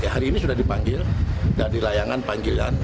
hari ini sudah dipanggil dari layangan panggilan